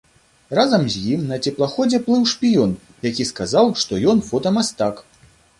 Разам з ім на цеплаходзе плыў шпіён, які сказаў, што ён фотамастак.